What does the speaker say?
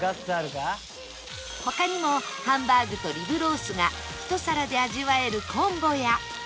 他にもハンバーグとリブロースがひと皿で味わえるコンボや